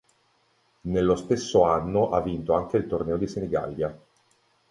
Nello stesso anno ha vinto anche il Torneo di Senigallia.